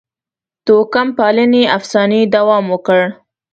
توکم پالنې افسانې دوام وکړ.